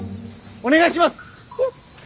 お願いします！